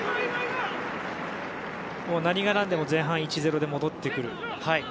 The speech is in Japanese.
もう、何が何でも前半、１−０で戻ってくる。